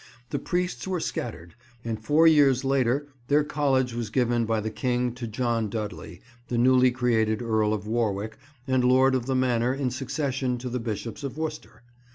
The priests were scattered, and four years later their College was given by the king to John Dudley, the newly created Earl of Warwick and lord of the manor in succession to the Bishops of Worcester.